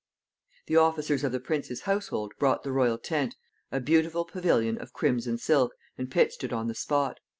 The officers of the prince's household brought the royal tent, a beautiful pavilion of crimson silk, and pitched it on the spot.